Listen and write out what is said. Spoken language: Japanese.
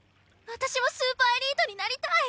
ワタシもスーパーエリートになりたい！